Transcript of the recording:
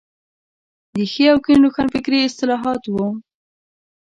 د ښي او کيڼ روښانفکري اصطلاحات وو.